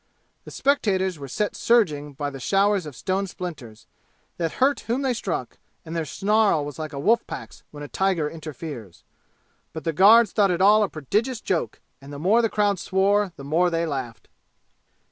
The spectators were set surging by the showers of stone splinters, that hurt whom they struck, and their snarl was like a wolf pack's when a tiger interferes. But the guards thought it all a prodigious joke and the more the crowd swore the more they laughed.